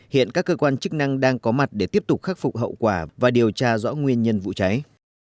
hiện các cơ quan chức năng đang có mặt để tiếp tục khắc phục hậu quả và điều tra rõ nguyên nhân vụ cháy